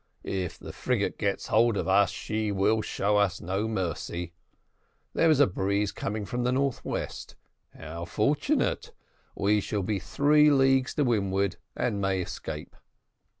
If the frigate gets hold of us she will show us no mercy. There is a breeze coming from the north west. How fortunate! we shall be three leagues to windward, and may escape."